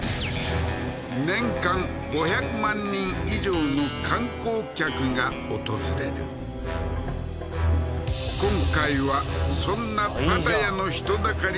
年間５００万人以上の観光客が訪れる今回はそんなパタヤの人だかり